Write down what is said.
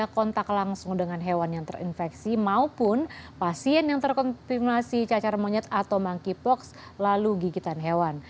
kontak langsung dengan hewan yang terinfeksi maupun pasien yang terkonfirmasi cacar monyet atau monkeypox lalu gigitan hewan